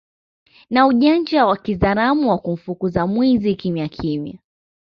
na ujanja wa kizaramo wa kumfukuza mwizi kimyakimya